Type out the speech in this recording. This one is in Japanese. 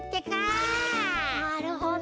なるほど。